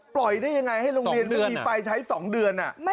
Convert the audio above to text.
ปล่อยได้อย่างไรให้โรงเรียนมีไปใช้๒เดือน